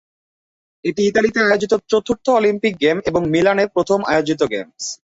এটি ইতালিতে আয়োজিত চতুর্থ অলিম্পিক গেম এবং মিলানের প্রথম আয়োজিত গেমস।